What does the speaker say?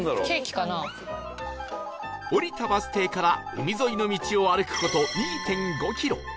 降りたバス停から海沿いの道を歩く事 ２．５ キロ